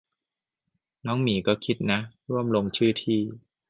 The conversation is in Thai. น้องหมีก็คิดนะ ร่วมลงชื่อที่